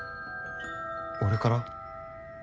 俺から？